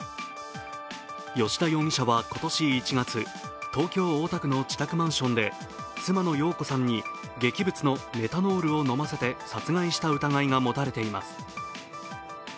吉田容疑者は、今年１月、東京・大田区の自宅マンションで妻の容子さんに劇物のメタノールを飲ませて殺害した疑いが持たれています。